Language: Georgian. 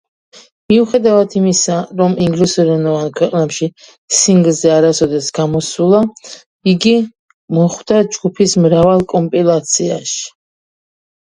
მიუხედავად იმისა, რომ ინგლისურენოვან ქვეყნებში სინგლზე არასოდეს გამოსულა, იგი მოხვდა ჯგუფის მრავალ კომპილაციაში.